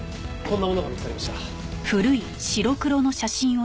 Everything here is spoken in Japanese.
こんなものが見つかりました。